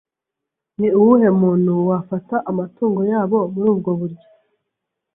Ni uwuhe muntu wafata amatungo yabo muri ubwo buryo?